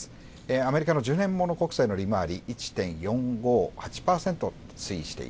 アメリカの１０年もの国債の利回り